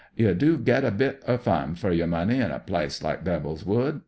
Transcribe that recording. You do git a bit er fun fer yer money in a pUce like Devfl's Wood.